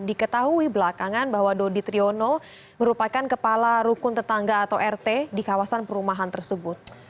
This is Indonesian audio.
diketahui belakangan bahwa dodi triono merupakan kepala rukun tetangga atau rt di kawasan perumahan tersebut